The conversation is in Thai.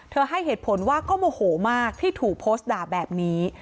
ให้เหตุผลว่าก็โมโหมากที่ถูกโพสต์ด่าแบบนี้